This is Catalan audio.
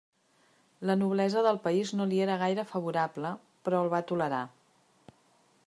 La noblesa del país no li era gaire favorable, però el va tolerar.